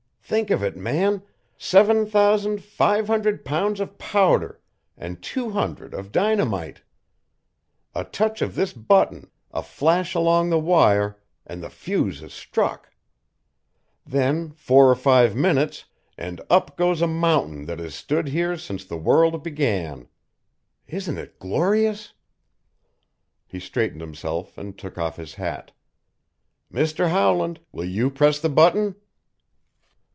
"Think of it, man seven thousand five hundred pounds of powder and two hundred of dynamite! A touch of this button, a flash along the wire, and the fuse is struck. Then, four or five minutes, and up goes a mountain that has stood here since the world began. Isn't it glorious?" He straightened himself and took off his hat. "Mr. Howland, will you press the button?"